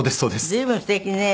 随分すてきね。